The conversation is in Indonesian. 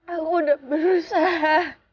aku udah berusaha